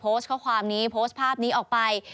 โพสต์ข้อความนี้โพสต์ภาพนี้ออกไป